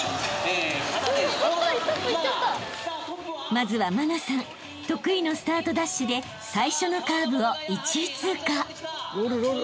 ［まずは茉奈さん得意のスタートダッシュで最初のカーブを１位通過］